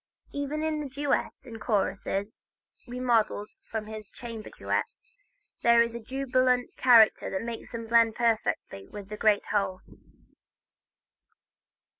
Even in the duet and choruses remodeled from his chamber duets, there is that jubilant character that makes them blend perfectly with the great whole.